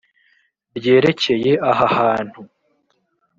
Ryerekeye aha hantu.